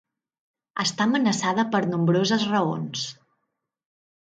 Està amenaçada per nombroses raons.